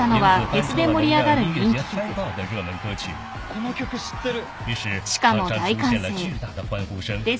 ・この曲知ってる！